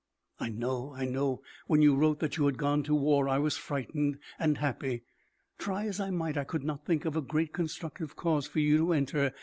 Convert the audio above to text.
"I know. I know. When you wrote that you had gone to war, I was frightened and happy. Try as I might, I could not think of a great constructive cause for you to enter.